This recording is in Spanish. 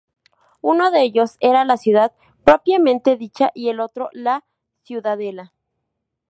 Uno de ellos era la ciudad propiamente dicha, y el otro la ciudadela.